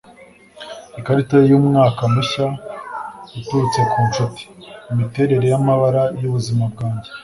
ikarita y'umwaka mushya uturutse ku nshuti - imiterere y'amabara y'ubuzima bwanjye